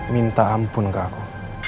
minta ampun ke aku